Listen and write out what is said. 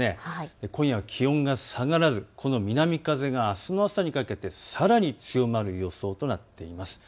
今夜は気温が下がらず、この南風があすの朝にかけてさらに強まる予想となっています。